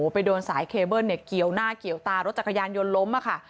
ไปโดนสายเคเบิ้ลเกี่ยวหน้าเกี่ยวตารถจักรยานยนต์ล้มค่ะ